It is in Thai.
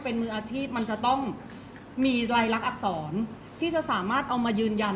เพราะว่าสิ่งเหล่านี้มันเป็นสิ่งที่ไม่มีพยาน